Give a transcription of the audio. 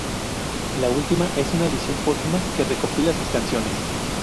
La última es una edición póstuma que recopila sus canciones.